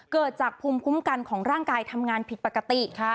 เกิดจากภูมิคุ้มกันของร่างกายทำงานผิดปกติ